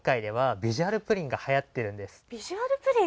ビジュアルプリン？